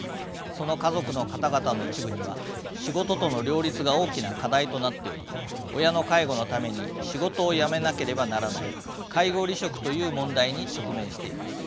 その家族の方々の一部には仕事との両立が大きな課題となっており親の介護のために仕事を辞めなければならない介護離職という問題に直面しています。